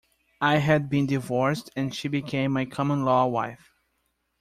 I had been divorced and she became my common-law wife.